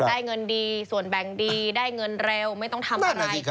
ได้เงินดีส่วนแบ่งดีได้เงินเร็วไม่ต้องทำอะไร